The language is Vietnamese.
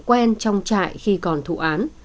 quen trong trại khi còn thụ án